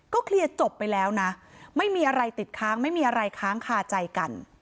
เคลียร์จบไปแล้วนะไม่มีอะไรติดค้างไม่มีอะไรค้างคาใจกัน